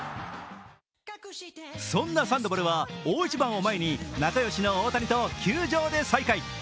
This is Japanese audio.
そんなサンドバルは、大一番を前に仲よしの大谷と球場で再会。